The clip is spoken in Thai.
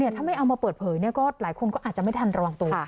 ถ้าไม่เอามาเปิดเผยก็หลายคนก็อาจจะไม่ทันระวังตัว